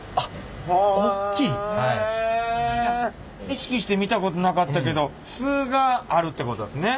意識して見たことなかったけどすがあるってことですね。